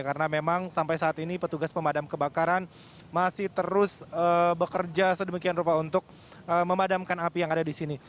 karena memang sampai saat ini petugas pemadam kebakaran masih terus bekerja sedemikian rupa untuk memadamkan api yang ada di sini